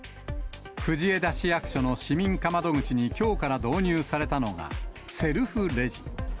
藤枝市役所の市民課窓口にきょうから導入されたのが、セルフレジ。